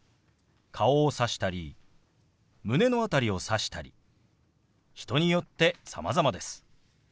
顔をさしたり胸の辺りをさしたり人によってさまざまです。